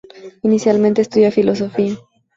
Inicialmente estudia Filosofía.